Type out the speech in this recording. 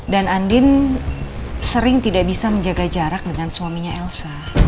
dan andin sering tidak bisa menjaga jarak dengan suaminya elsa